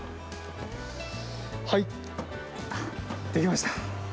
はい、できました。